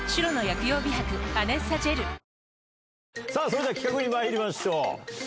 それでは企画にまいりましょう。